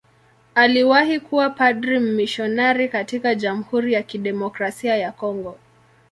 Aliwahi kuwa padri mmisionari katika Jamhuri ya Kidemokrasia ya Kongo.